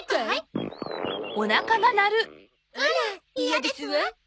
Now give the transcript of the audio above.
あら嫌ですわ。